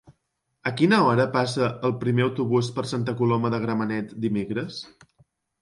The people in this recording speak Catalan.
A quina hora passa el primer autobús per Santa Coloma de Gramenet dimecres?